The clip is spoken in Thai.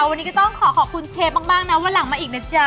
วันนี้ก็ต้องขอขอบคุณเชฟมากนะวันหลังมาอีกนะจ๊ะ